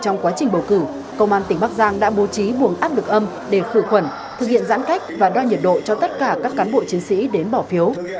trong quá trình bầu cử công an tỉnh bắc giang đã bố trí buồng áp lực âm để khử khuẩn thực hiện giãn cách và đo nhiệt độ cho tất cả các cán bộ chiến sĩ đến bỏ phiếu